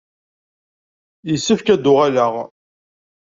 Yessefk ad d-uɣaleɣ.